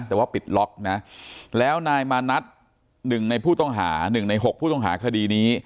แต่ว่าปิดล็อคนะแล้วนายมานัด๑ใน๖ผู้ต้องหาคดีนี้